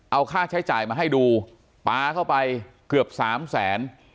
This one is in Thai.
เอาค่าใช้จ่ายมาให้ดูปลาเข้าไปเกือบสามแสน